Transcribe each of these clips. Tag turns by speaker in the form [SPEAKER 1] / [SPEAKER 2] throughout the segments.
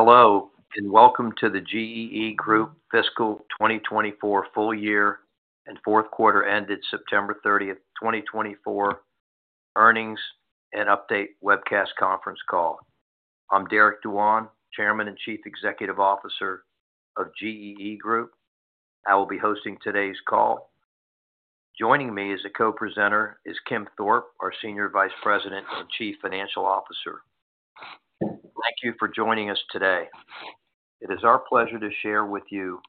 [SPEAKER 1] Hello, and welcome to the GEE Group Fiscal 2024 full year and fourth quarter ended September 30, 2024 earnings and update webcast conference call. I'm Derek Dewan, Chairman and Chief Executive Officer of GEE Group. I will be hosting today's call. Joining me as a co-presenter is Kim Thorpe, our Senior Vice President and Chief Financial Officer. Thank you for joining us today. It is our pleasure to share with you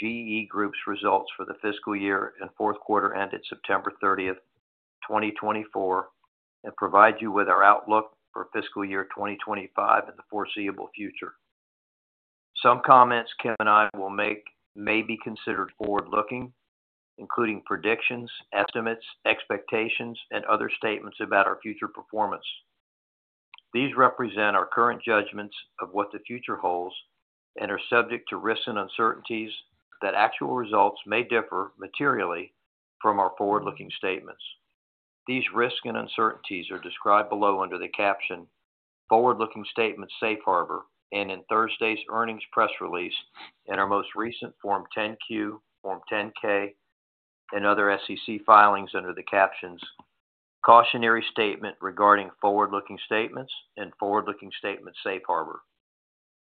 [SPEAKER 1] GEE Group's results for the fiscal year and fourth quarter ended September 30, 2024, and provide you with our outlook for fiscal year 2025 and the foreseeable future. Some comments Kim and I will make may be considered forward-looking, including predictions, estimates, expectations, and other statements about our future performance. These represent our current judgments of what the future holds and are subject to risks and uncertainties that actual results may differ materially from our forward-looking statements. These risks and uncertainties are described below under the caption, "Forward-looking Statements Safe Harbor," and in Thursday's earnings press release and our most recent Form 10-Q, Form 10-K, and other SEC filings under the captions, "Cautionary Statement Regarding Forward-looking Statements" and "Forward-looking Statements Safe Harbor."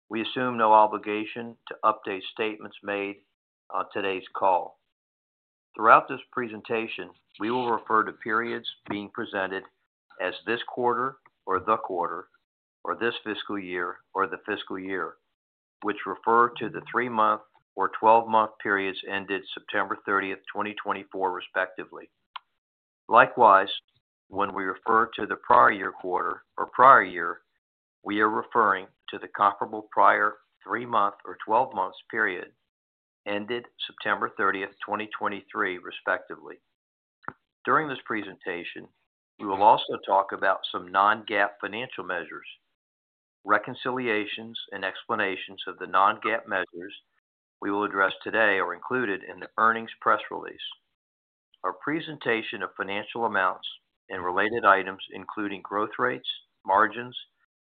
[SPEAKER 1] We assume no obligation to update statements made on today's call. Throughout this presentation, we will refer to periods being presented as this quarter or the quarter or this fiscal year or the fiscal year, which refer to the three-month or 12-month periods ended September 30, 2024, respectively. Likewise, when we refer to the prior year quarter or prior year, we are referring to the comparable prior three-month or 12-month period ended September 30, 2023, respectively. During this presentation, we will also talk about some non-GAAP financial measures. Reconciliations and explanations of the non-GAAP measures we will address today are included in the earnings press release. Our presentation of financial amounts and related items, including growth rates, margins,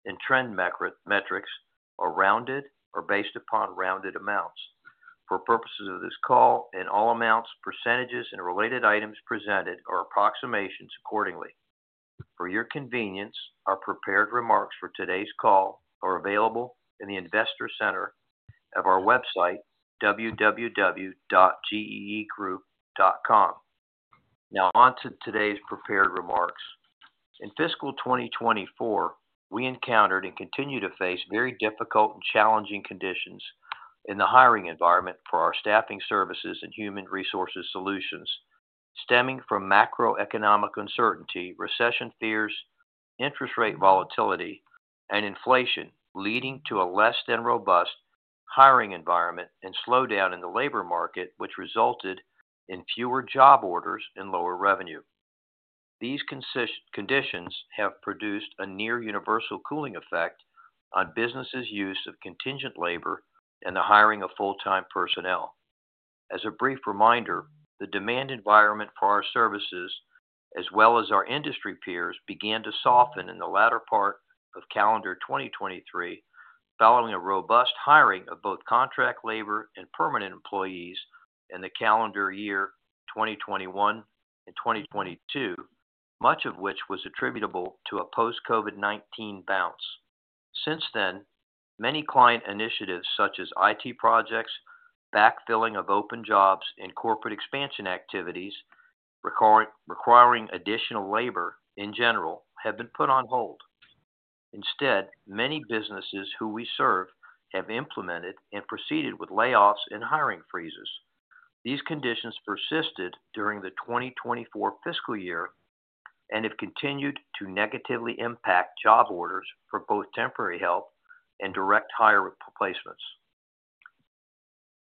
[SPEAKER 1] and trend metrics, are rounded or based upon rounded amounts. For purposes of this call, all amounts, percentages, and related items presented are approximations accordingly. For your convenience, our prepared remarks for today's call are available in the Investor Center of our website, www.geegroup.com. Now, on to today's prepared remarks. In fiscal 2024, we encountered and continue to face very difficult and challenging conditions in the hiring environment for our staffing services and human resources solutions, stemming from macroeconomic uncertainty, recession fears, interest rate volatility, and inflation, leading to a less than robust hiring environment and slowdown in the labor market, which resulted in fewer job orders and lower revenue. These conditions have produced a near-universal cooling effect on businesses' use of contingent labor and the hiring of full-time personnel. As a brief reminder, the demand environment for our services, as well as our industry peers, began to soften in the latter part of calendar 2023, following a robust hiring of both contract labor and permanent employees in the calendar year 2021 and 2022, much of which was attributable to a post-COVID-19 bounce. Since then, many client initiatives, such as IT projects, backfilling of open jobs, and corporate expansion activities requiring additional labor in general, have been put on hold. Instead, many businesses who we serve have implemented and proceeded with layoffs and hiring freezes. These conditions persisted during the 2024 fiscal year and have continued to negatively impact job orders for both temporary help and direct hire placements.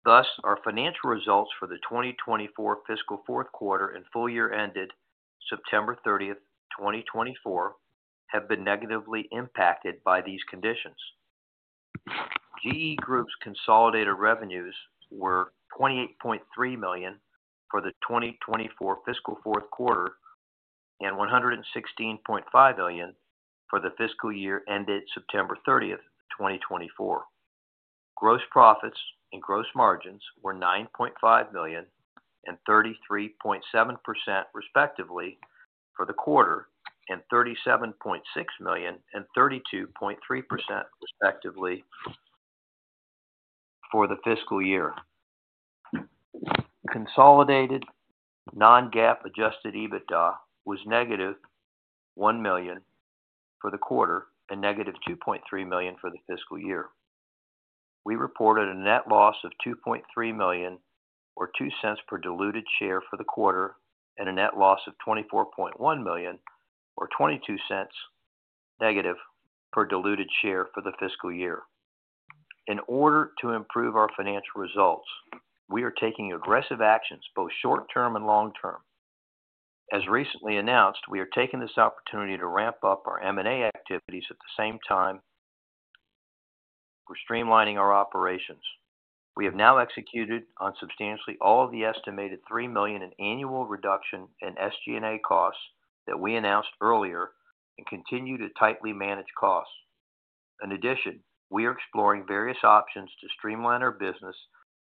[SPEAKER 1] Thus, our financial results for the 2024 fiscal fourth quarter and full year ended September 30, 2024, have been negatively impacted by these conditions. GEE Group's consolidated revenues were $28.3 million for the 2024 fiscal fourth quarter and $116.5 million for the fiscal year ended September 30, 2024. Gross profits and gross margins were $9.5 million and 33.7%, respectively, for the quarter and $37.6 million and 32.3%, respectively, for the fiscal year. Consolidated Non-GAAP Adjusted EBITDA was negative $1 million for the quarter and negative $2.3 million for the fiscal year. We reported a net loss of $2.3 million or $0.02 per diluted share for the quarter and a net loss of $24.1 million or negative $0.22 per diluted share for the fiscal year. In order to improve our financial results, we are taking aggressive actions, both short-term and long-term. As recently announced, we are taking this opportunity to ramp up our M&A activities at the same time we're streamlining our operations. We have now executed on substantially all of the estimated $3 million in annual reduction in SG&A costs that we announced earlier and continue to tightly manage costs. In addition, we are exploring various options to streamline our business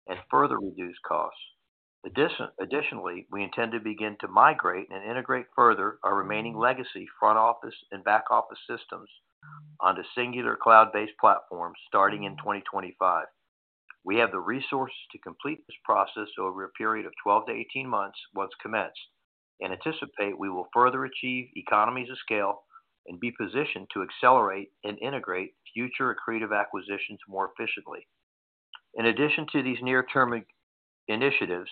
[SPEAKER 1] and further reduce costs. Additionally, we intend to begin to migrate and integrate further our remaining legacy front office and back office systems onto singular cloud-based platforms starting in 2025. We have the resources to complete this process over a period of 12-18 months once commenced and anticipate we will further achieve economies of scale and be positioned to accelerate and integrate future accretive acquisitions more efficiently. In addition to these near-term initiatives,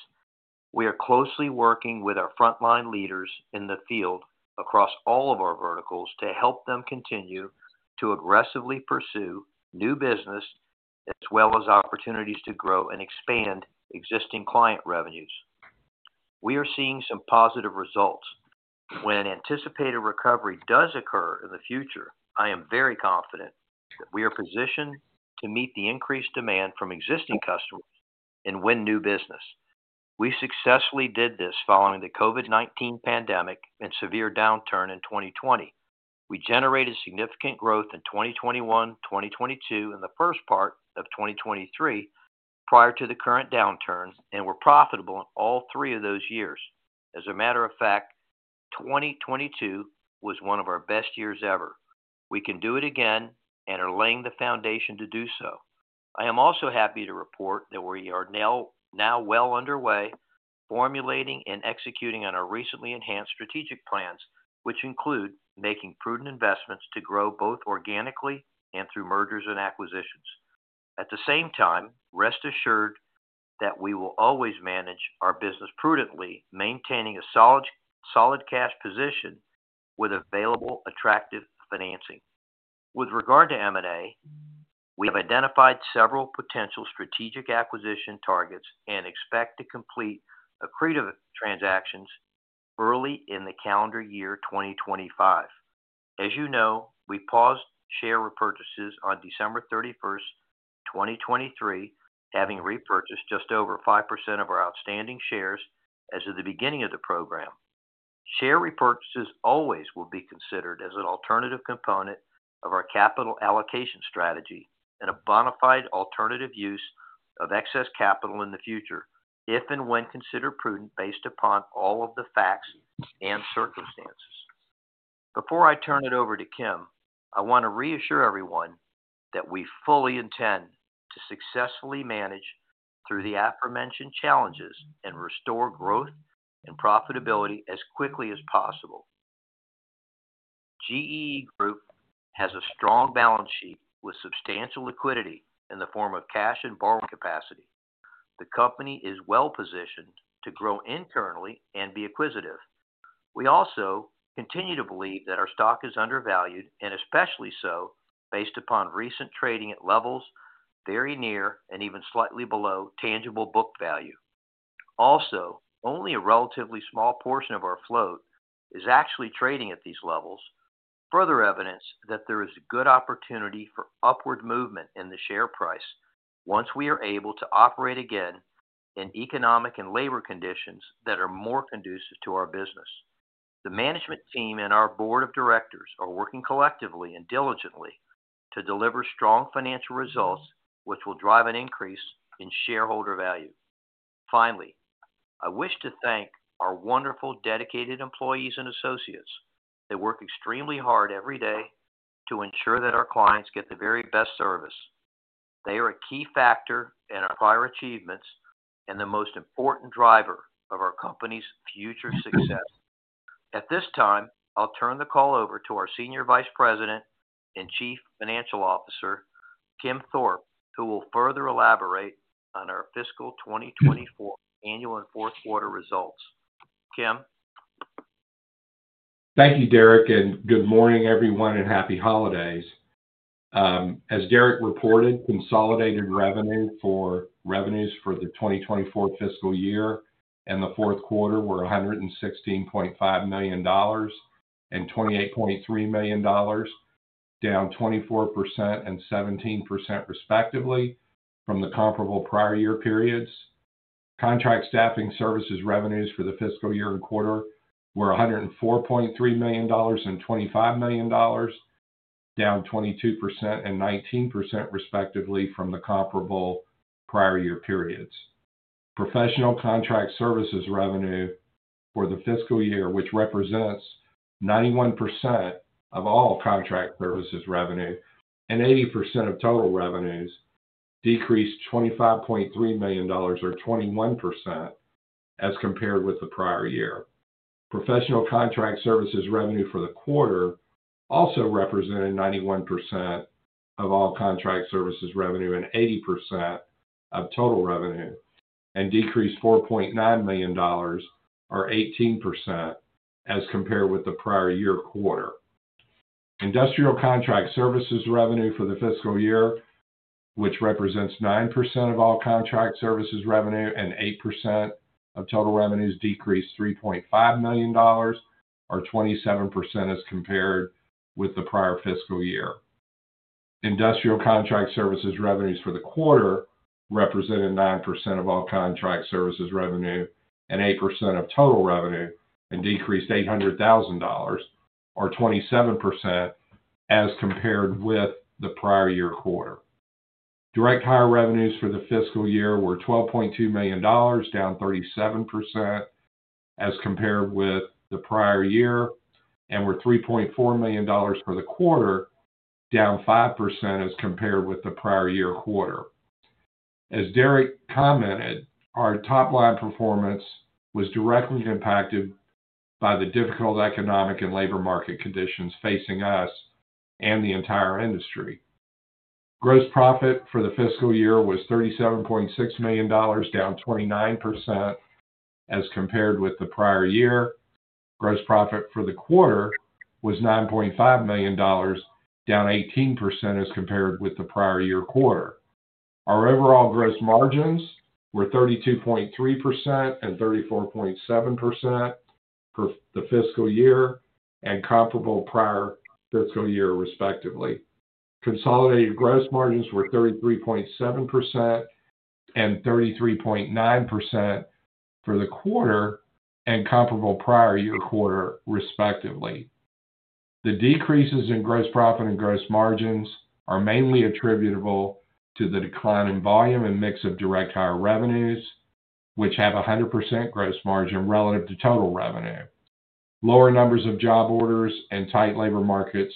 [SPEAKER 1] we are closely working with our frontline leaders in the field across all of our verticals to help them continue to aggressively pursue new business as well as opportunities to grow and expand existing client revenues. We are seeing some positive results. When anticipated recovery does occur in the future, I am very confident that we are positioned to meet the increased demand from existing customers and win new business. We successfully did this following the COVID-19 pandemic and severe downturn in 2020. We generated significant growth in 2021, 2022, and the first part of 2023 prior to the current downturn and were profitable in all three of those years. As a matter of fact, 2022 was one of our best years ever. We can do it again and are laying the foundation to do so. I am also happy to report that we are now well underway formulating and executing on our recently enhanced strategic plans, which include making prudent investments to grow both organically and through mergers and acquisitions. At the same time, rest assured that we will always manage our business prudently, maintaining a solid cash position with available attractive financing. With regard to M&A, we have identified several potential strategic acquisition targets and expect to complete accretive transactions early in the calendar year 2025. As you know, we paused share repurchases on December 31, 2023, having repurchased just over 5% of our outstanding shares as of the beginning of the program. Share repurchases always will be considered as an alternative component of our capital allocation strategy and a bona fide alternative use of excess capital in the future if and when considered prudent based upon all of the facts and circumstances. Before I turn it over to Kim, I want to reassure everyone that we fully intend to successfully manage through the aforementioned challenges and restore growth and profitability as quickly as possible. GEE Group has a strong balance sheet with substantial liquidity in the form of cash and borrowing capacity. The company is well positioned to grow internally and be acquisitive. We also continue to believe that our stock is undervalued, and especially so based upon recent trading at levels very near and even slightly below tangible book value. Also, only a relatively small portion of our float is actually trading at these levels, further evidence that there is good opportunity for upward movement in the share price once we are able to operate again in economic and labor conditions that are more conducive to our business. The management team and our board of directors are working collectively and diligently to deliver strong financial results, which will drive an increase in shareholder value. Finally, I wish to thank our wonderful dedicated employees and associates that work extremely hard every day to ensure that our clients get the very best service. They are a key factor in our prior achievements and the most important driver of our company's future success. At this time, I'll turn the call over to our Senior Vice President and Chief Financial Officer, Kim Thorpe, who will further elaborate on our fiscal 2024 annual and fourth quarter results. Kim.
[SPEAKER 2] Thank you, Derek, and good morning, everyone, and happy holidays. As Derek reported, consolidated revenues for the 2024 fiscal year and the fourth quarter were $116.5 million and $28.3 million, down 24% and 17%, respectively, from the comparable prior year periods. Contract staffing services revenues for the fiscal year and quarter were $104.3 million and $25 million, down 22% and 19%, respectively, from the comparable prior year periods. Professional contract services revenue for the fiscal year, which represents 91% of all contract services revenue and 80% of total revenues, decreased $25.3 million, or 21%, as compared with the prior year. Professional contract services revenue for the quarter also represented 91% of all contract services revenue and 80% of total revenue and decreased $4.9 million, or 18%, as compared with the prior year quarter. Industrial contract services revenue for the fiscal year, which represents 9% of all contract services revenue and 8% of total revenues, decreased $3.5 million, or 27%, as compared with the prior fiscal year. Industrial contract services revenues for the quarter represented 9% of all contract services revenue and 8% of total revenue and decreased $800,000, or 27%, as compared with the prior year quarter. Direct hire revenues for the fiscal year were $12.2 million, down 37%, as compared with the prior year, and were $3.4 million for the quarter, down 5%, as compared with the prior year quarter. As Derek commented, our top-line performance was directly impacted by the difficult economic and labor market conditions facing us and the entire industry. Gross profit for the fiscal year was $37.6 million, down 29%, as compared with the prior year. Gross profit for the quarter was $9.5 million, down 18%, as compared with the prior year quarter. Our overall gross margins were 32.3% and 34.7% for the fiscal year and comparable prior fiscal year, respectively. Consolidated gross margins were 33.7% and 33.9% for the quarter and comparable prior year quarter, respectively. The decreases in gross profit and gross margins are mainly attributable to the decline in volume and mix of direct hire revenues, which have 100% gross margin relative to total revenue. Lower numbers of job orders and tight labor markets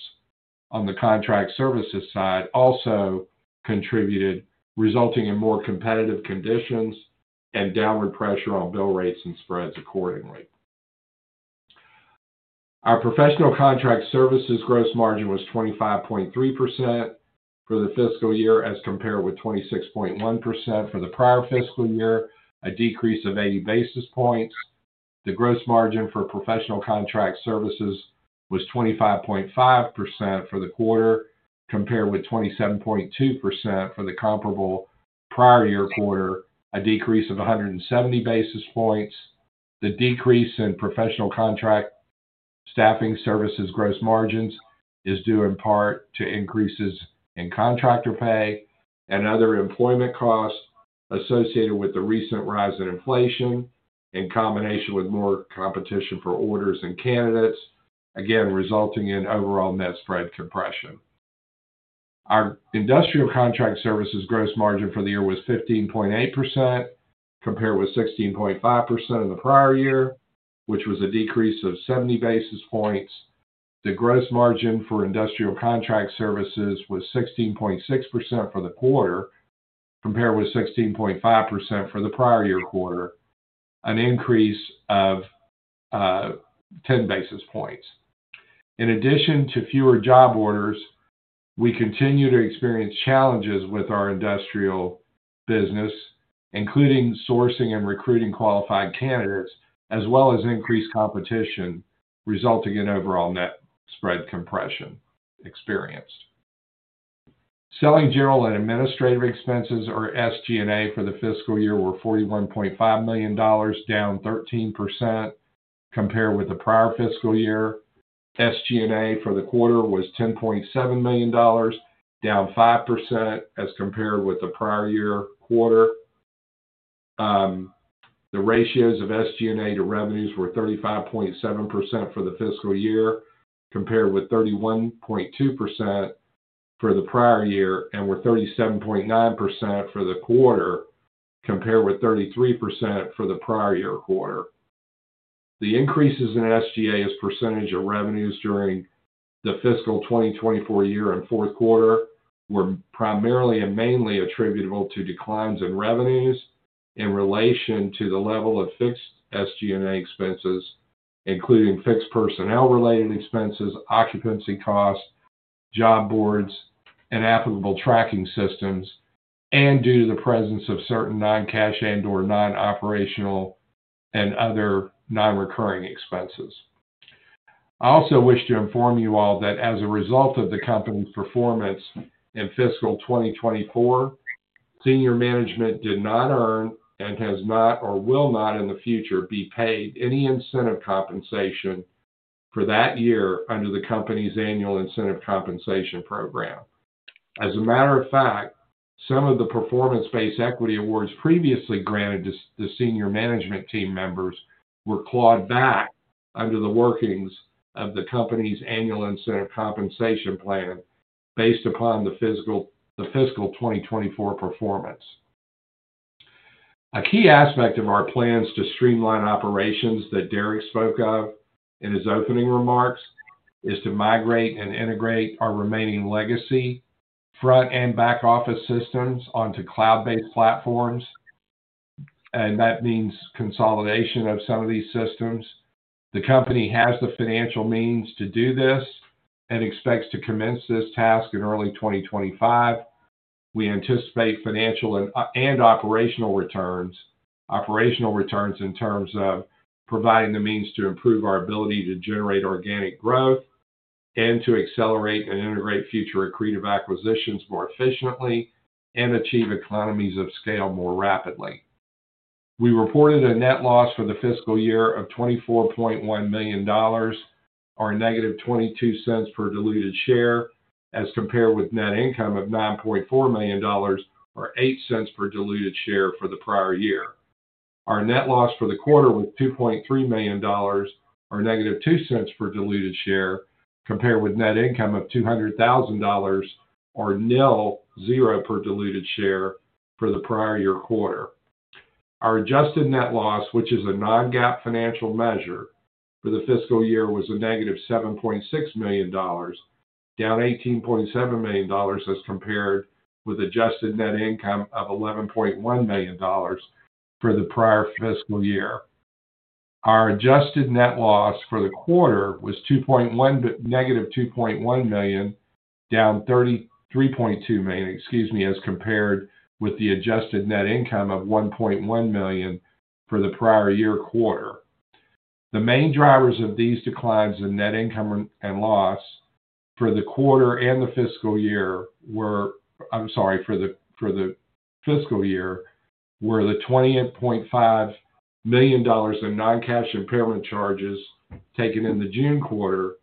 [SPEAKER 2] on the contract services side also contributed, resulting in more competitive conditions and downward pressure on bill rates and spreads accordingly. Our professional contract services gross margin was 25.3% for the fiscal year, as compared with 26.1% for the prior fiscal year, a decrease of 80 basis points. The gross margin for professional contract services was 25.5% for the quarter, compared with 27.2% for the comparable prior year quarter, a decrease of 170 basis points. The decrease in professional contract staffing services gross margins is due in part to increases in contractor pay and other employment costs associated with the recent rise in inflation in combination with more competition for orders and candidates, again resulting in overall net spread compression. Our industrial contract services gross margin for the year was 15.8%, compared with 16.5% of the prior year, which was a decrease of 70 basis points. The gross margin for industrial contract services was 16.6% for the quarter, compared with 16.5% for the prior year quarter, an increase of 10 basis points. In addition to fewer job orders, we continue to experience challenges with our industrial business, including sourcing and recruiting qualified candidates, as well as increased competition resulting in overall net spread compression experienced. Selling, General, and Administrative expenses, or SG&A, for the fiscal year were $41.5 million, down 13%, compared with the prior fiscal year. SG&A for the quarter was $10.7 million, down 5%, as compared with the prior year quarter. The ratios of SG&A to revenues were 35.7% for the fiscal year, compared with 31.2% for the prior year, and were 37.9% for the quarter, compared with 33% for the prior year quarter. The increases in SG&A's percentage of revenues during the fiscal 2024 year and fourth quarter were primarily and mainly attributable to declines in revenues in relation to the level of fixed SG&A expenses, including fixed personnel-related expenses, occupancy costs, job boards, and applicable tracking systems, and due to the presence of certain non-cash and/or non-operational and other non-recurring expenses. I also wish to inform you all that as a result of the company's performance in fiscal 2024, senior management did not earn and has not or will not in the future be paid any incentive compensation for that year under the company's annual incentive compensation program. As a matter of fact, some of the performance-based equity awards previously granted to the senior management team members were clawed back under the workings of the company's annual incentive compensation plan based upon the fiscal 2024 performance. A key aspect of our plans to streamline operations that Derek spoke of in his opening remarks is to migrate and integrate our remaining legacy front and back office systems onto cloud-based platforms. And that means consolidation of some of these systems. The company has the financial means to do this and expects to commence this task in early 2025. We anticipate financial and operational returns, operational returns in terms of providing the means to improve our ability to generate organic growth and to accelerate and integrate future accretive acquisitions more efficiently and achieve economies of scale more rapidly. We reported a net loss for the fiscal year of $24.1 million, or negative $0.22 per diluted share, as compared with net income of $9.4 million, or $0.08 per diluted share for the prior year. Our net loss for the quarter was $2.3 million, or negative $0.02 per diluted share, compared with net income of $200,000, or nil, zero per diluted share for the prior year quarter. Our adjusted net loss, which is a non-GAAP financial measure for the fiscal year, was a negative $7.6 million, down $18.7 million as compared with adjusted net income of $11.1 million for the prior fiscal year. Our adjusted net loss for the quarter was negative $2.1 million, down $33.2 million, excuse me, as compared with the adjusted net income of $1.1 million for the prior year quarter. The main drivers of these declines in net income and loss for the quarter and the fiscal year were, I'm sorry, for the fiscal year were the $28.5 million of non-cash impairment charges taken in the June quarter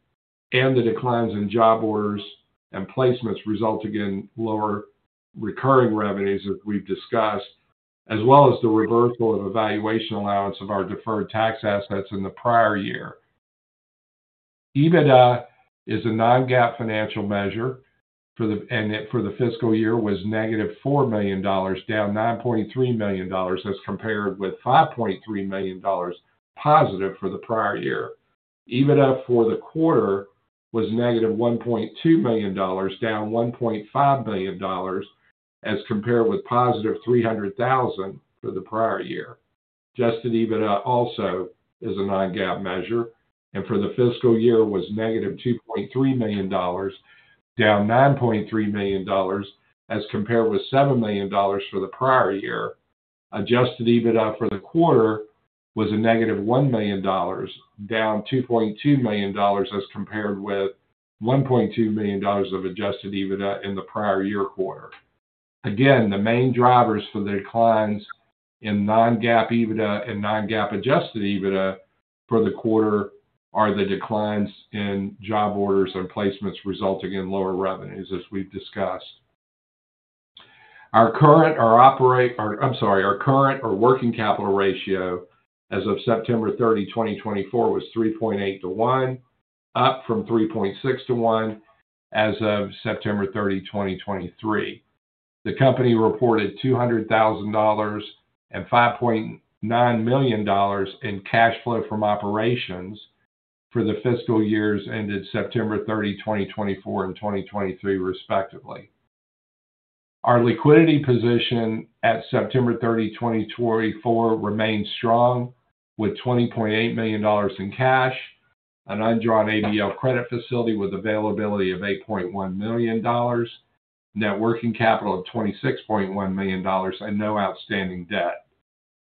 [SPEAKER 2] and the declines in job orders and placements resulting in lower recurring revenues, as we've discussed, as well as the reversal of valuation allowance of our deferred tax assets in the prior year. EBITDA is a non-GAAP financial measure for the fiscal year was negative $4 million, down $9.3 million, as compared with $5.3 million positive for the prior year. EBITDA for the quarter was negative $1.2 million, down $1.5 million, as compared with positive $300,000 for the prior year. Adjusted EBITDA also is a non-GAAP measure, and for the fiscal year was negative $2.3 million, down $9.3 million, as compared with $7 million for the prior year. Adjusted EBITDA for the quarter was a negative $1 million, down $2.2 million, as compared with $1.2 million of adjusted EBITDA in the prior year quarter. Again, the main drivers for the declines in non-GAAP EBITDA and non-GAAP adjusted EBITDA for the quarter are the declines in job orders and placements resulting in lower revenues, as we've discussed. Our current working capital ratio as of September 30, 2024, was 3.8-1, up from 3.6-1 as of September 30, 2023. The company reported $200,000 and $5.9 million in cash flow from operations for the fiscal years ended September 30, 2024, and 2023, respectively. Our liquidity position at September 30, 2024, remained strong with $20.8 million in cash, an undrawn ABL credit facility with availability of $8.1 million, net working capital of $26.1 million, and no outstanding debt.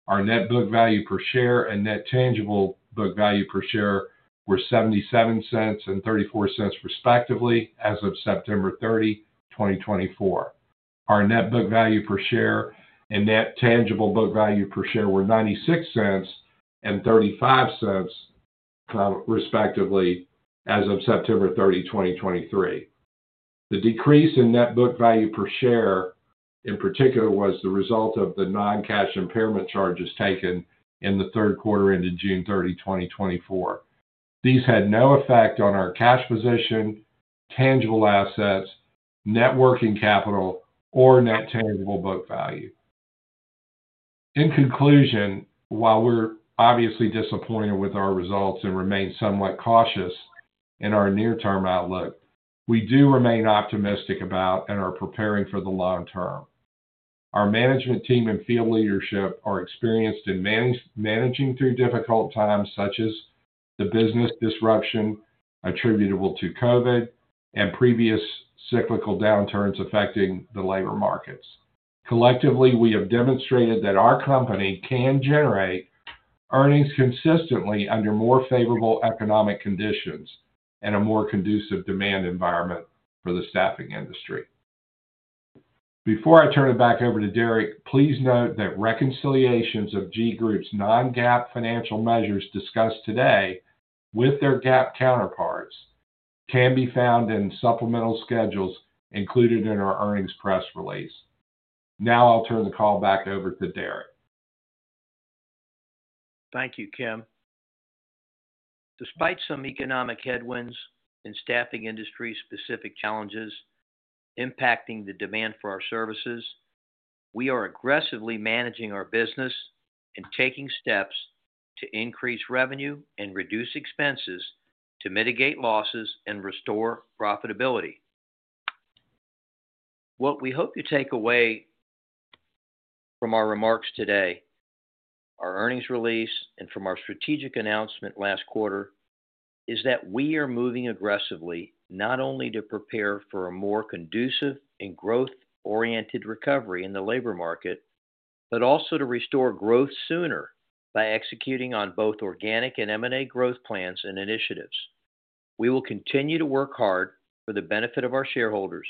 [SPEAKER 2] Our net book value per share and net tangible book value per share were $0.77 and $0.34, respectively, as of September 30, 2024. Our net book value per share and net tangible book value per share were $0.96 and $0.35, respectively, as of September 30, 2023. The decrease in net book value per share, in particular, was the result of the non-cash impairment charges taken in the third quarter ended June 30, 2024. These had no effect on our cash position, tangible assets, net working capital, or net tangible book value. In conclusion, while we're obviously disappointed with our results and remain somewhat cautious in our near-term outlook, we do remain optimistic about and are preparing for the long term. Our management team and field leadership are experienced in managing through difficult times such as the business disruption attributable to COVID and previous cyclical downturns affecting the labor markets. Collectively, we have demonstrated that our company can generate earnings consistently under more favorable economic conditions and a more conducive demand environment for the staffing industry. Before I turn it back over to Derek, please note that reconciliations of GEE Group's non-GAAP financial measures discussed today with their GAAP counterparts can be found in supplemental schedules included in our earnings press release. Now I'll turn the call back over to Derek.
[SPEAKER 1] Thank you, Kim. Despite some economic headwinds and staffing industry-specific challenges impacting the demand for our services, we are aggressively managing our business and taking steps to increase revenue and reduce expenses to mitigate losses and restore profitability. What we hope you take away from our remarks today, our earnings release, and from our strategic announcement last quarter is that we are moving aggressively not only to prepare for a more conducive and growth-oriented recovery in the labor market, but also to restore growth sooner by executing on both organic and M&A growth plans and initiatives. We will continue to work hard for the benefit of our shareholders,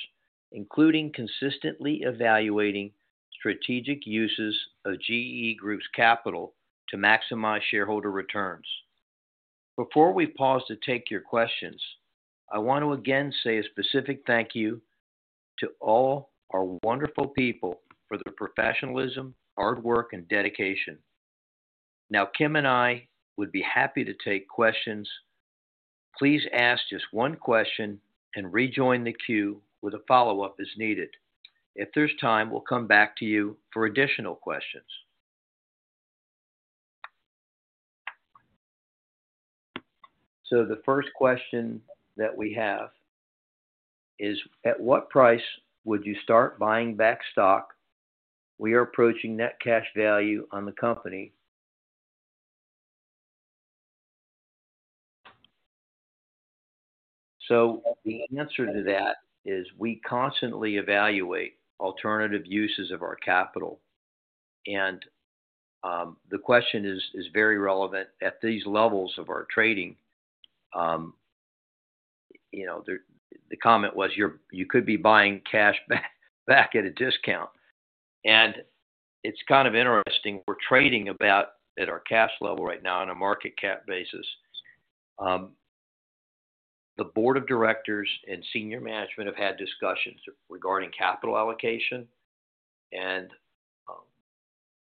[SPEAKER 1] including consistently evaluating strategic uses of GEE Group's capital to maximize shareholder returns. Before we pause to take your questions, I want to again say a specific thank you to all our wonderful people for their professionalism, hard work, and dedication. Now, Kim and I would be happy to take questions. Please ask just one question and rejoin the queue with a follow-up as needed. If there's time, we'll come back to you for additional questions. The first question that we have is, at what price would you start buying back stock? We are approaching net cash value on the company. The answer to that is we constantly evaluate alternative uses of our capital. The question is very relevant at these levels of our trading. The comment was you could be buying cash back at a discount. It's kind of interesting. We're trading about at our cash level right now on a market cap basis. The board of directors and senior management have had discussions regarding capital allocation.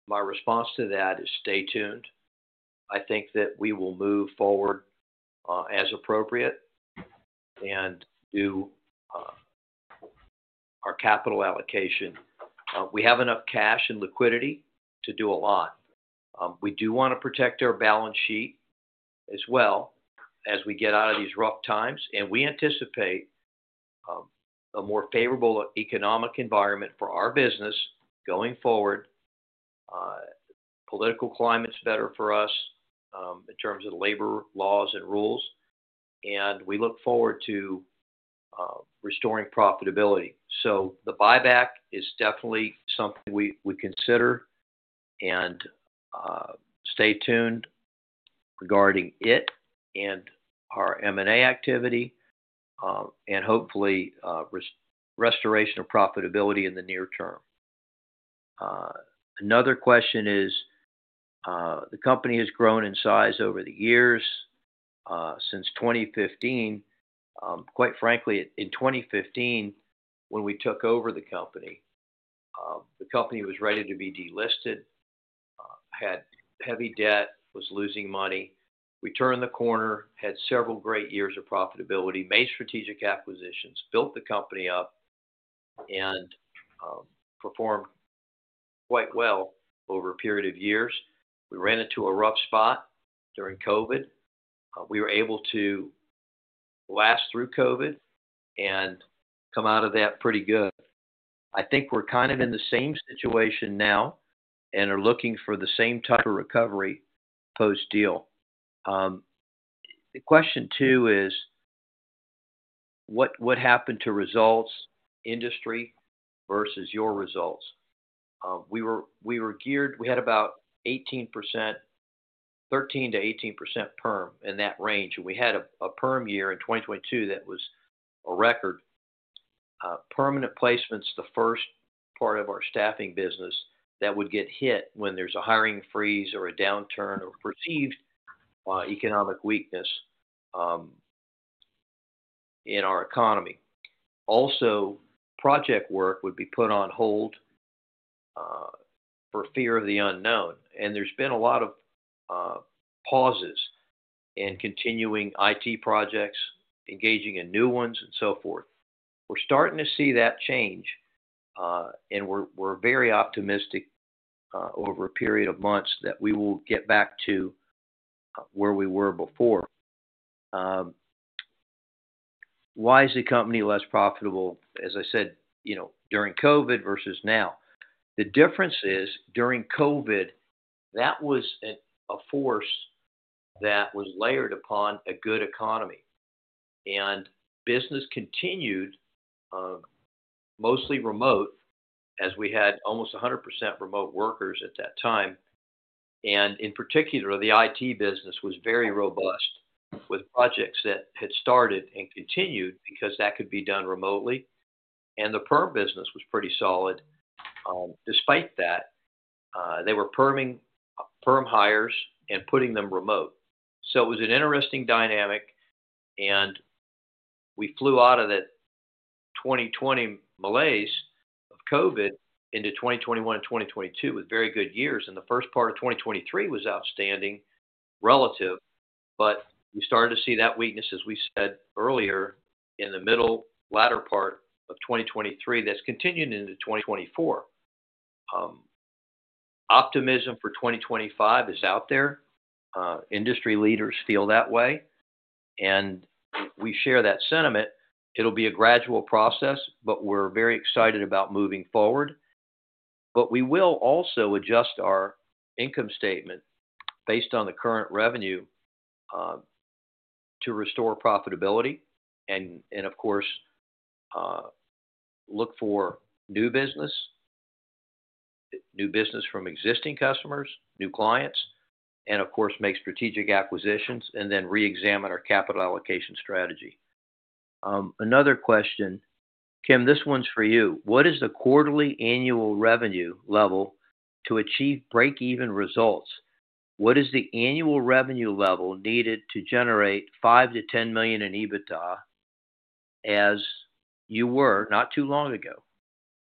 [SPEAKER 1] My response to that is stay tuned. I think that we will move forward as appropriate and do our capital allocation. We have enough cash and liquidity to do a lot. We do want to protect our balance sheet as well as we get out of these rough times. We anticipate a more favorable economic environment for our business going forward. Political climates better for us in terms of labor laws and rules. We look forward to restoring profitability. So the buyback is definitely something we consider. Stay tuned regarding it and our M&A activity and hopefully restoration of profitability in the near term. Another question is the company has grown in size over the years since 2015. Quite frankly, in 2015, when we took over the company, the company was ready to be delisted, had heavy debt, was losing money. We turned the corner, had several great years of profitability, made strategic acquisitions, built the company up, and performed quite well over a period of years. We ran into a rough spot during COVID. We were able to last through COVID and come out of that pretty good. I think we're kind of in the same situation now and are looking for the same type of recovery post-deal. The question too is what happened to results industry versus your results? We were geared. We had about 18%, 13%-18% perm in that range. We had a perm year in 2022 that was a record. Permanent placements, the first part of our staffing business that would get hit when there's a hiring freeze or a downturn or perceived economic weakness in our economy. Also, the project work would be put on hold for fear of the unknown. There's been a lot of pauses in continuing IT projects, engaging in new ones, and so forth. We're starting to see that change. We're very optimistic over a period of months that we will get back to where we were before. Why is the company less profitable? As I said, during COVID versus now, the difference is during COVID, that was a force that was layered upon a good economy, and business continued mostly remote as we had almost 100% remote workers at that time, and in particular, the IT business was very robust with projects that had started and continued because that could be done remotely, and the perm business was pretty solid. Despite that, they were perming perm hires and putting them remote, so it was an interesting dynamic, and we flew out of that 2020 malaise of COVID into 2021 and 2022 with very good years, and the first part of 2023 was outstanding relative, but we started to see that weakness, as we said earlier, in the middle latter part of 2023 that's continued into 2024. Optimism for 2025 is out there. Industry leaders feel that way, and we share that sentiment. It'll be a gradual process, but we're very excited about moving forward. But we will also adjust our income statement based on the current revenue to restore profitability and, of course, look for new business, new business from existing customers, new clients, and, of course, make strategic acquisitions and then re-examine our capital allocation strategy. Another question, Kim, this one's for you. What is the quarterly annual revenue level to achieve break-even results? What is the annual revenue level needed to generate 5-10 million in EBITDA as you were not too long ago?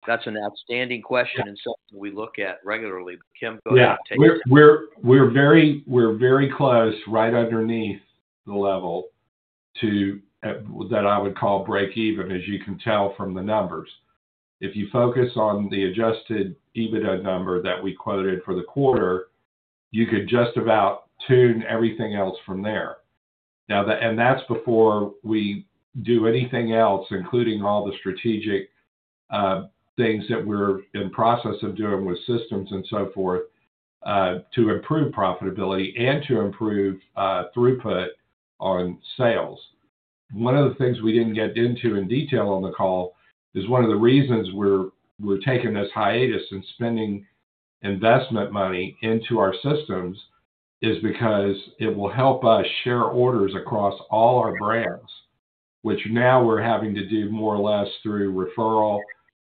[SPEAKER 1] That's an outstanding question and something we look at regularly. But Kim, go ahead and take it. Yeah. We're very close, right underneath the level that I would call break-even, as you can tell from the numbers. If you focus on the Adjusted EBITDA number that we quoted for the quarter, you could just about tune everything else from there. And that's before we do anything else, including all the strategic things that we're in the process of doing with systems and so forth to improve profitability and to improve throughput on sales. One of the things we didn't get into in detail on the call is one of the reasons we're taking this hiatus and spending investment money into our systems is because it will help us share orders across all our brands, which now we're having to do more or less through referral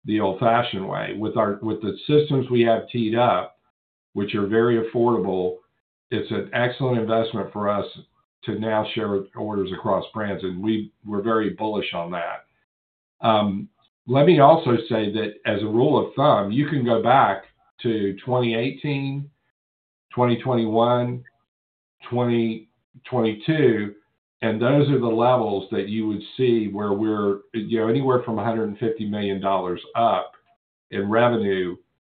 [SPEAKER 1] the old-fashioned way. With the systems we have teed up, which are very affordable, it's an excellent investment for us to now share orders across brands. And we're very bullish on that. Let me also say that as a rule of thumb, you can go back to 2018, 2021, 2022, and those are the levels that you would see where we're anywhere from $150 million up in revenue.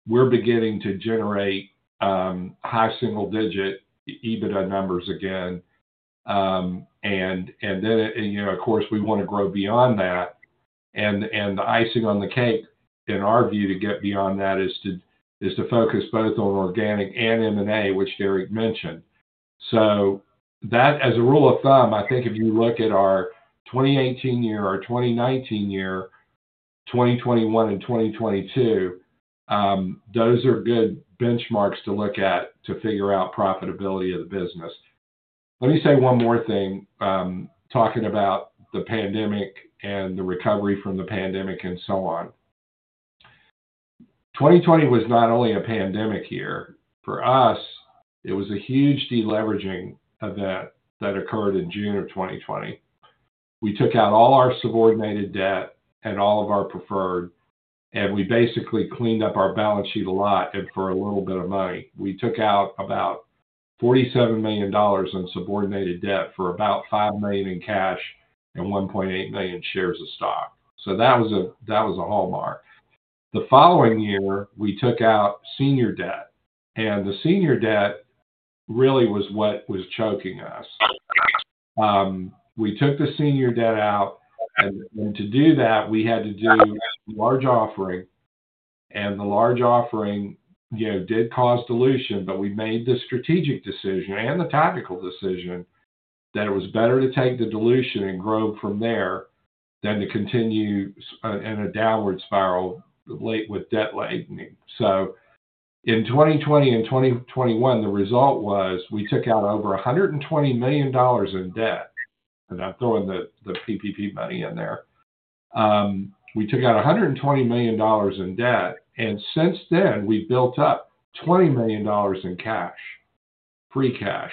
[SPEAKER 1] We're beginning to generate high single-digit EBITDA numbers again. And then, of course, we want to grow beyond that. And the icing on the cake in our view to get beyond that is to focus both on organic and M&A, which Derek mentioned. So that, as a rule of thumb, I think if you look at our 2018 year, our 2019 year, 2021, and 2022, those are good benchmarks to look at to figure out profitability of the business. Let me say one more thing talking about the pandemic and the recovery from the pandemic and so on. 2020 was not only a pandemic year. For us, it was a huge deleveraging event that occurred in June of 2020. We took out all our subordinated debt and all of our preferred, and we basically cleaned up our balance sheet a lot for a little bit of money. We took out about $47 million in subordinated debt for about $5 million in cash and 1.8 million shares of stock, so that was a hallmark. The following year, we took out senior debt, and the senior debt really was what was choking us. We took the senior debt out, and to do that, we had to do a large offering, and the large offering did cause dilution, but we made the strategic decision and the tactical decision that it was better to take the dilution and grow from there than to continue in a downward spiral with debt lightening. In 2020 and 2021, the result was we took out over $120 million in debt. And I'm throwing the PPP money in there. We took out $120 million in debt. And since then, we built up $20 million in cash, free cash.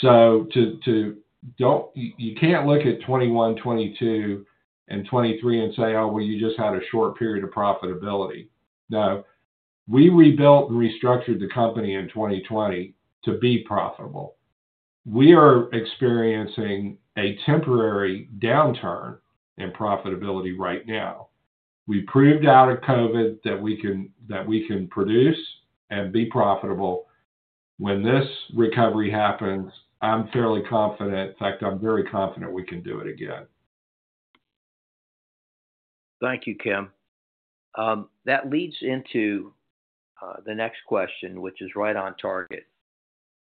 [SPEAKER 1] So you can't look at 2021, 2022, and 2023 and say, "Oh, well, you just had a short period of profitability." No. We rebuilt and restructured the company in 2020 to be profitable. We are experiencing a temporary downturn in profitability right now. We proved out of COVID that we can produce and be profitable. When this recovery happens, I'm fairly confident. In fact, I'm very confident we can do it again. Thank you, Kim. That leads into the next question, which is right on target.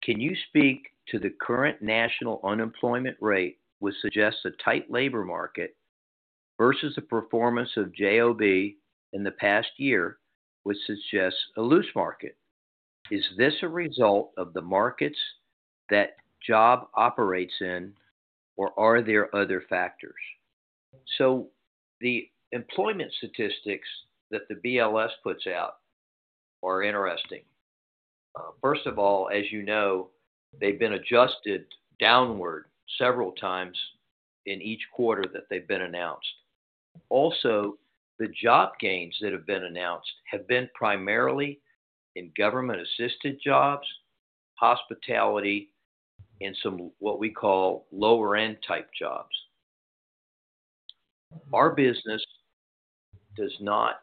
[SPEAKER 1] Can you speak to the current national unemployment rate which suggests a tight labor market versus the performance of GEE in the past year which suggests a loose market? Is this a result of the markets that GEE operates in, or are there other factors? So the employment statistics that the BLS puts out are interesting. First of all, as you know, they've been adjusted downward several times in each quarter that they've been announced. Also, the job gains that have been announced have been primarily in government-assisted jobs, hospitality, and some, what we call, lower-end type jobs. Our business does not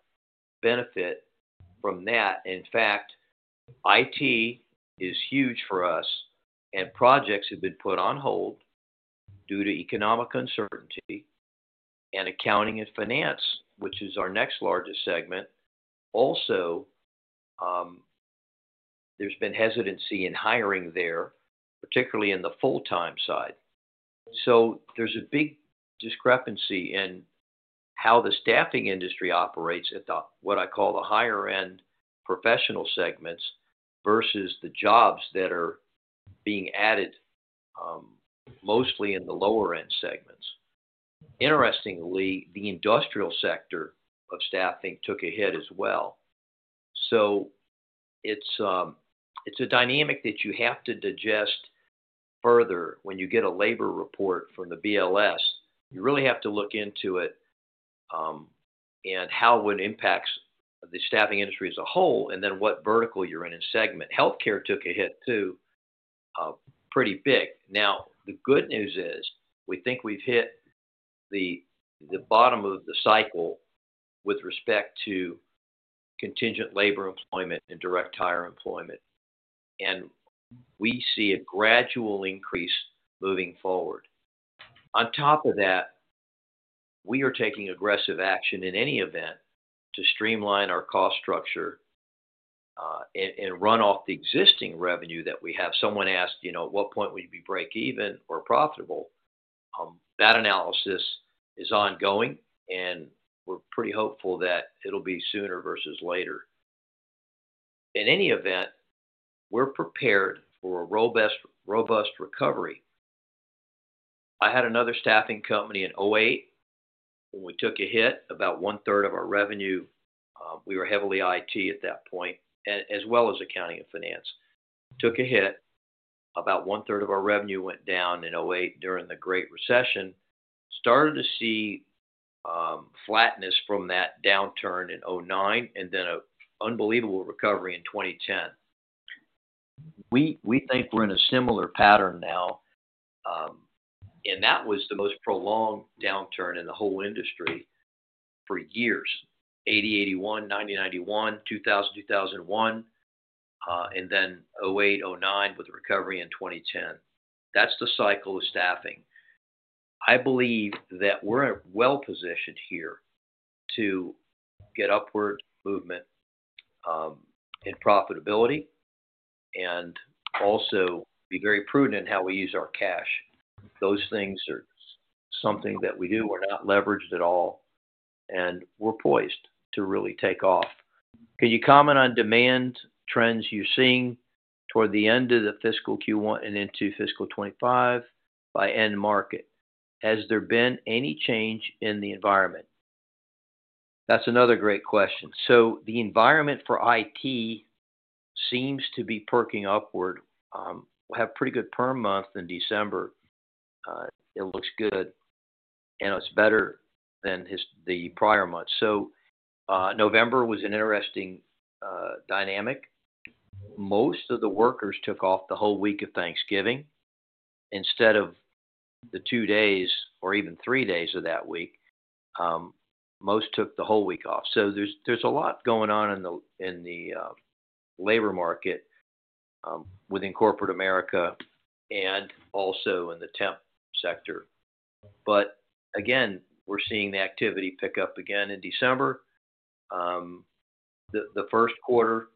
[SPEAKER 1] benefit from that. In fact, IT is huge for us, and projects have been put on hold due to economic uncertainty and accounting and finance, which is our next largest segment. Also, there's been hesitancy in hiring there, particularly in the full-time side. So there's a big discrepancy in how the staffing industry operates at what I call the higher-end professional segments versus the jobs that are being added mostly in the lower-end segments. Interestingly, the industrial sector of staffing took a hit as well. So it's a dynamic that you have to digest further when you get a labor report from the BLS. You really have to look into it and how it impacts the staffing industry as a whole and then what vertical you're in and segment. Healthcare took a hit too, pretty big. Now, the good news is we think we've hit the bottom of the cycle with respect to contingent labor employment and direct-hire employment. And we see a gradual increase moving forward. On top of that, we are taking aggressive action in any event to streamline our cost structure and run off the existing revenue that we have. Someone asked, "At what point would you be break-even or profitable?" That analysis is ongoing, and we're pretty hopeful that it'll be sooner versus later. In any event, we're prepared for a robust recovery. I had another staffing company in 2008 when we took a hit. About one-third of our revenue, we were heavily IT at that point as well as accounting and finance. Took a hit. About one-third of our revenue went down in 2008 during the Great Recession. Started to see flatness from that downturn in 2009 and then an unbelievable recovery in 2010. We think we're in a similar pattern now, and that was the most prolonged downturn in the whole industry for years: 1980, 1981, 1990, 1991, 2000, 2001, and then 2008, 2009 with a recovery in 2010. That's the cycle of staffing. I believe that we're well-positioned here to get upward movement in profitability and also be very prudent in how we use our cash. Those things are something that we do. We're not leveraged at all, and we're poised to really take off. Can you comment on demand trends you're seeing toward the end of the fiscal Q1 and into fiscal 2025 by end market? Has there been any change in the environment? That's another great question, so the environment for IT seems to be perking upward. We have pretty good perm month in December. It looks good, and it's better than the prior month, so November was an interesting dynamic. Most of the workers took off the whole week of Thanksgiving instead of the two days or even three days of that week. Most took the whole week off. There's a lot going on in the labor market within corporate America and also in the temp sector. But again, we're seeing the activity pick up again in December. The first quarter,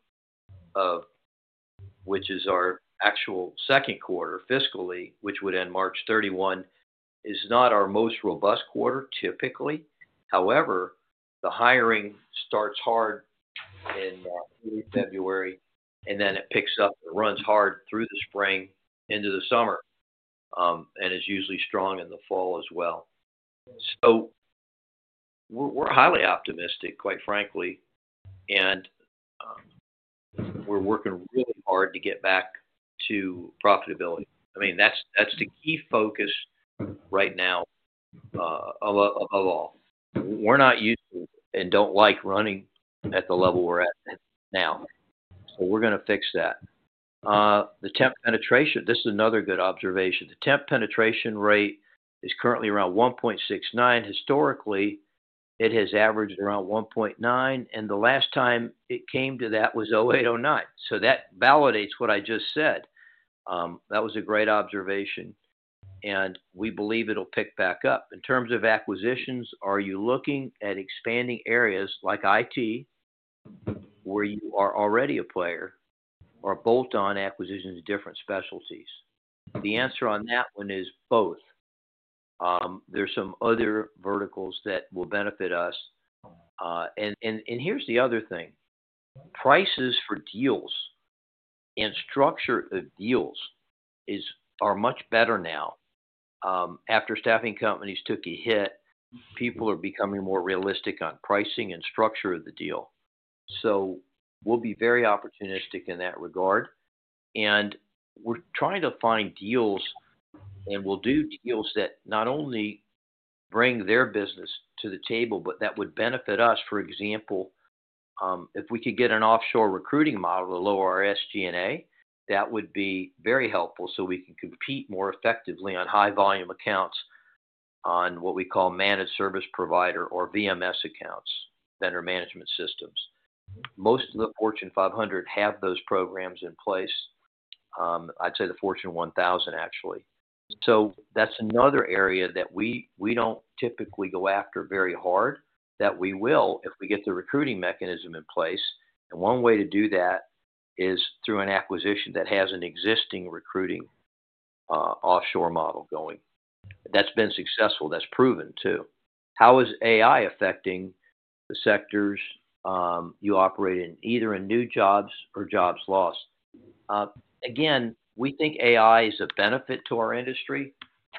[SPEAKER 1] which is our actual second quarter fiscally, which would end March 31, is not our most robust quarter typically. However, the hiring starts hard in early February, and then it picks up and runs hard through the spring into the summer and is usually strong in the fall as well. We're highly optimistic, quite frankly, and we're working really hard to get back to profitability. I mean, that's the key focus right now above all. We're not used to and don't like running at the level we're at now. So we're going to fix that. The temp penetration (this is another good observation) rate is currently around 1.69%. Historically, it has averaged around 1.9, and the last time it came to that was 2008, 2009. So that validates what I just said. That was a great observation. And we believe it'll pick back up. In terms of acquisitions, are you looking at expanding areas like IT where you are already a player or bolt-on acquisitions in different specialties? The answer on that one is both. There's some other verticals that will benefit us. And here's the other thing. Prices for deals and structure of deals are much better now. After staffing companies took a hit, people are becoming more realistic on pricing and structure of the deal. So we'll be very opportunistic in that regard. And we're trying to find deals, and we'll do deals that not only bring their business to the table, but that would benefit us. For example, if we could get an offshore recruiting model to lower our SG&A, that would be very helpful so we can compete more effectively on high-volume accounts on what we call managed service provider or VMS accounts, vendor management systems. Most of the Fortune 500 have those programs in place. I'd say the Fortune 1000, actually, so that's another area that we don't typically go after very hard, that we will if we get the recruiting mechanism in place, and one way to do that is through an acquisition that has an existing recruiting offshore model going. That's been successful. That's proven too. How is AI affecting the sectors you operate in, either in new jobs or jobs lost? Again, we think AI is a benefit to our industry.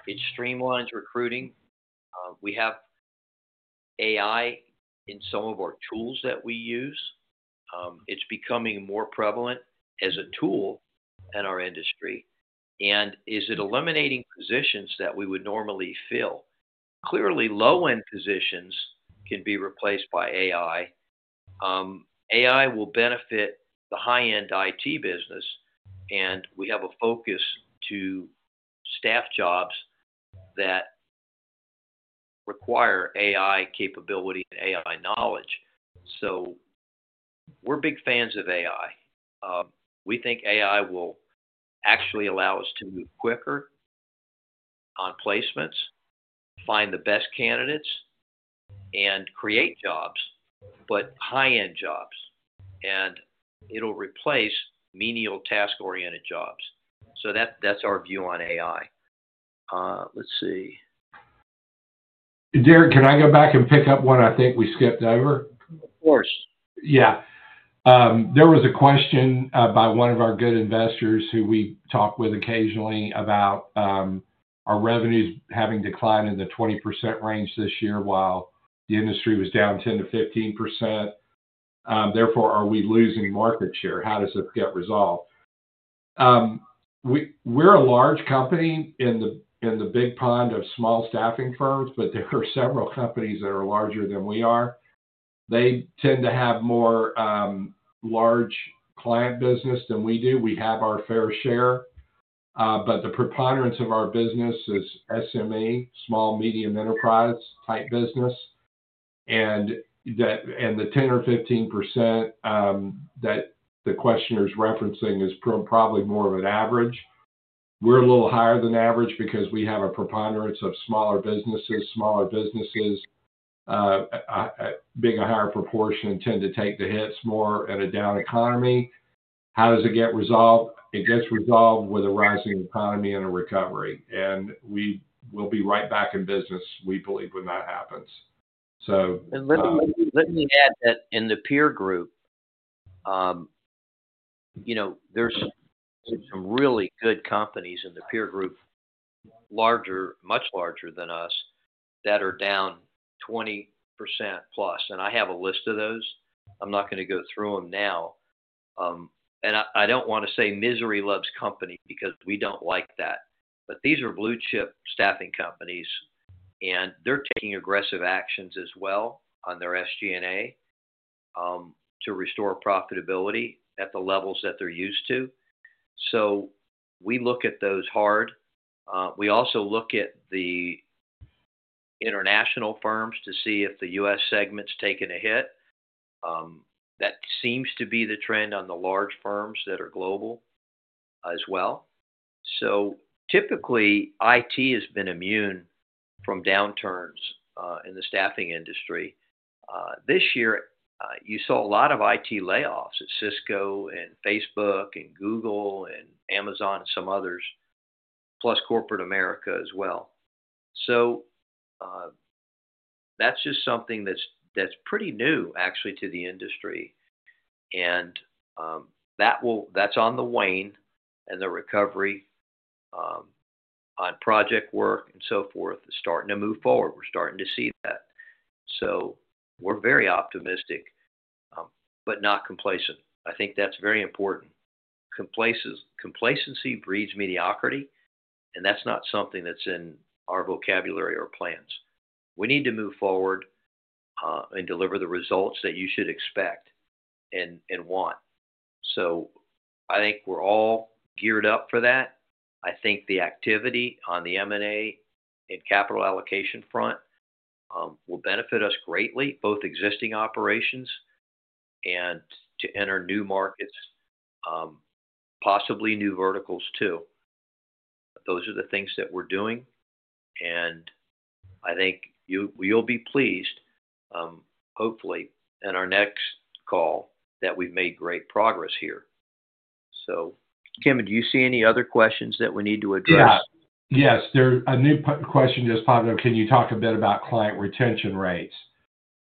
[SPEAKER 1] It streamlines recruiting. We have AI in some of our tools that we use. It's becoming more prevalent as a tool in our industry. And is it eliminating positions that we would normally fill? Clearly, low-end positions can be replaced by AI. AI will benefit the high-end IT business. And we have a focus on staff jobs that require AI capability and AI knowledge. So we're big fans of AI. We think AI will actually allow us to move quicker on placements, find the best candidates, and create jobs, but high-end jobs. And it'll replace menial task-oriented jobs. So that's our view on AI. Let's see.
[SPEAKER 2] Derek, can I go back and pick up one I think we skipped over?
[SPEAKER 1] Of course.
[SPEAKER 2] Yeah. There was a question by one of our good investors who we talk with occasionally about our revenues having declined in the 20% range this year while the industry was down 10%-15%. Therefore, are we losing market share? How does it get resolved?
[SPEAKER 1] We're a large company in the big pond of small staffing firms, but there are several companies that are larger than we are. They tend to have more large client business than we do. We have our fair share. But the preponderance of our business is SME, small, medium enterprise-type business, and the 10% or 15% that the questioner's referencing is probably more of an average. We're a little higher than average because we have a preponderance of smaller businesses. Smaller businesses, being a higher proportion, tend to take the hits more in a down economy. How does it get resolved? It gets resolved with a rising economy and a recovery, and we will be right back in business, we believe, when that happens.
[SPEAKER 2] So let me add that in the peer group, there's some really good companies in the peer group, much larger than us, that are down 20% plus. And I have a list of those. I'm not going to go through them now. And I don't want to say misery loves company because we don't like that. But these are blue-chip staffing companies. And they're taking aggressive actions as well on their SG&A to restore profitability at the levels that they're used to. So we look at those hard. We also look at the international firms to see if the U.S. segment's taken a hit. That seems to be the trend on the large firms that are global as well. So typically, IT has been immune from downturns in the staffing industry. This year, you saw a lot of IT layoffs at Cisco and Facebook and Google and Amazon and some others, plus corporate America as well. So that's just something that's pretty new, actually, to the industry, and that's on the wane and the recovery on project work and so forth is starting to move forward. We're starting to see that, so we're very optimistic but not complacent. I think that's very important. Complacency breeds mediocrity, and that's not something that's in our vocabulary or plans. We need to move forward and deliver the results that you should expect and want, so I think we're all geared up for that. I think the activity on the M&A and capital allocation front will benefit us greatly, both existing operations and to enter new markets, possibly new verticals too. Those are the things that we're doing. I think you'll be pleased, hopefully, in our next call that we've made great progress here. Kim, do you see any other questions that we need to address?
[SPEAKER 1] Yeah. Yes. A new question just popped up. Can you talk a bit about client retention rates?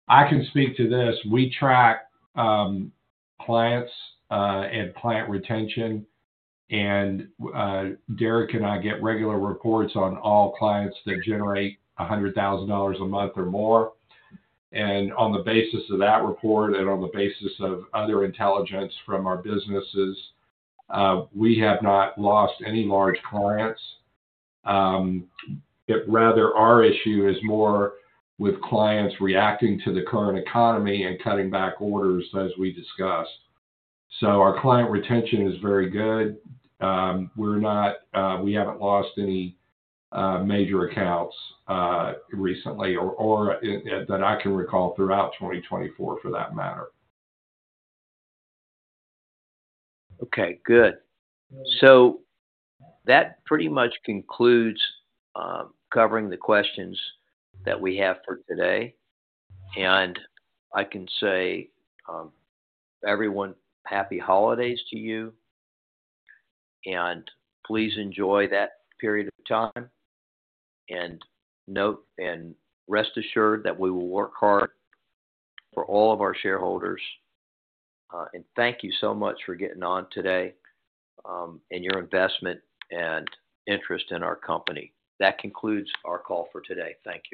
[SPEAKER 1] I can speak to this. We track clients and client retention. Derek and I get regular reports on all clients that generate $100,000 a month or more. On the basis of that report and on the basis of other intelligence from our businesses, we have not lost any large clients. Rather, our issue is more with clients reacting to the current economy and cutting back orders, as we discussed. Our client retention is very good. We haven't lost any major accounts recently or that I can recall throughout 2024, for that matter. Okay. Good. That pretty much concludes covering the questions that we have for today. I can say to everyone, happy holidays. Please enjoy that period of time. Rest assured that we will work hard for all of our shareholders. Thank you so much for getting on today and your investment and interest in our company. That concludes our call for today. Thank you.